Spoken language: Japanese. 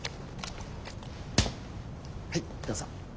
はいどうぞ。